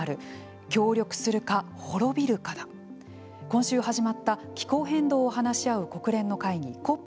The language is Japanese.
今週始まった気候変動を話し合う国連の会議